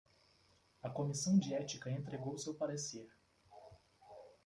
A comissão de ética entregou seu parecer